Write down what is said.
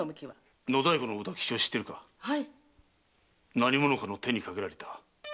何者かの手にかけられた。